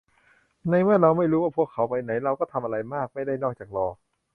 ในเมื่อเราไม่รู้ว่าพวกเขาไปไหน เราก็ทำอะไรมากไม่ได้นอกจากรอ